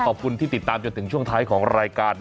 ขอบคุณที่ติดตามจนถึงช่วงท้ายของรายการ